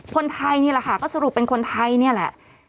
คนไทยนี่แหละค่ะก็สรุปเป็นคนไทยนี่แหละ